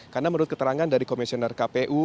karena menurut keterangan dari komisioner kpu